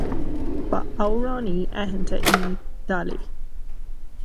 Ba amhránaí aitheanta í Dolly.